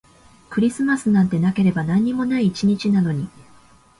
クリスマスなんてなければ何にもない一日なのに